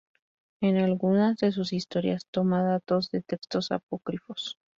En algunas de sus historias toma datos de textos apócrifos.